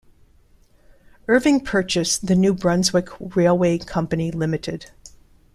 Irving purchase the New Brunswick Railway Company Limited.